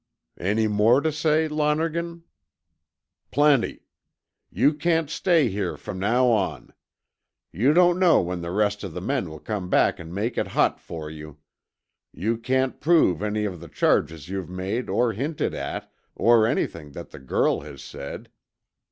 "Any more to say, Lonergan?" "Plenty. You can't stay here from now on. You don't know when the rest of the men will come back and make it hot for you. You can't prove any of the charges you've made or hinted at, or anything that the girl has said.